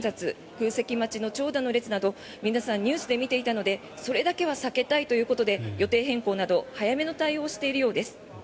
空席待ちの長蛇の列など皆さん、ニュースで見ていたのでそれだけは避けたいということで予定変更など早めの対応をしているようです。